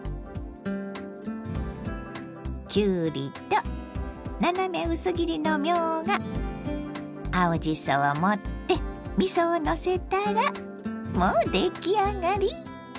きゅうりと斜め薄切りのみょうが青じそを盛ってみそをのせたらもう出来上がり！